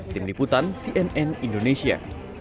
tim liputan cnn indonesia